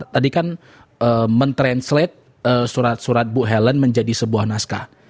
tadi kan mentranslate surat surat bu helen menjadi sebuah naskah